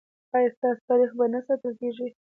ایا ستاسو تاریخ به نه ساتل کیږي؟